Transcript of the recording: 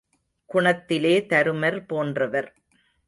குணத்திலே தருமர் போன்றவர்.